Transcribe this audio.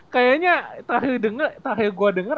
kayaknya terakhir gua denger